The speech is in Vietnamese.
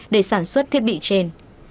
để sản xuất thiết bị trên